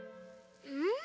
うん？